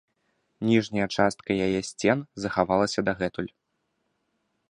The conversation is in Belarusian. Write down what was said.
Ніжняя частка яе сцен захавалася дагэтуль.